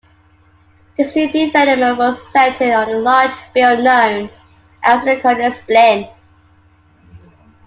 This new development was centered on a large field known as the Koningsplein.